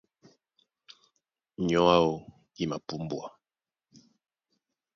Nyɔ̌ áō í mapúmbwa.